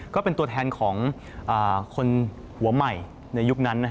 ก็เป็นตัวแทนของคนหัวใหม่ในยุคนั้น